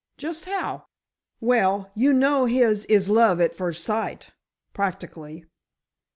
"Just how?" "Well, you know his is love at first sight—practically."